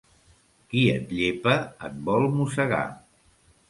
Qui et llepa et vol mossegar.